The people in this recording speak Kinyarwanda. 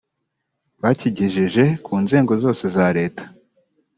bakigejeje ku nzego zose za Leta